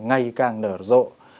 ngày càng nở rộ